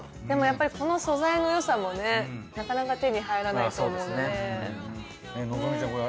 でもやっぱりこの素材のよさもねなかなか手に入らないと思うので。